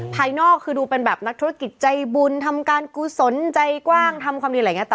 ภายนอกคือดูเป็นแบบนักธุรกิจใจบุญทำการกุศลใจกว้างทำความดีอะไรอย่างนี้